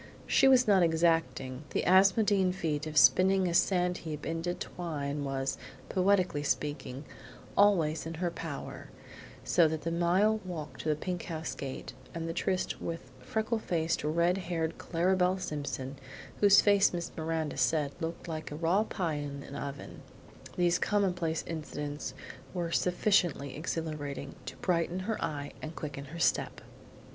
She was not exacting; the Asmodean feat of spinning a sand heap into twine was, poetically speaking, always in her power, so the mile walk to the pink house gate, and the tryst with freckled, red haired Clara Belle Simpson, whose face Miss Miranda said looked like a raw pie in a brick oven, these commonplace incidents were sufficiently exhilarating to brighten her eye and quicken her step.